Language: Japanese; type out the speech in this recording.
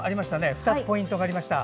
２つポイントがありました。